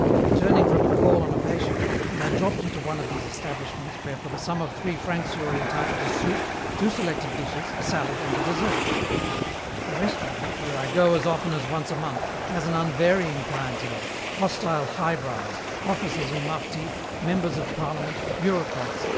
I was returning from a call on a patient, and I dropped into one of these establishments where for the sum of three francs you are entitled to soup, two selected dishes, a salad, and a dessert. "The restaurant, where I go as often as once a month, has an unvarying clientele, hostile highbrows, officers in mufti, members of Parliament, bureaucrats.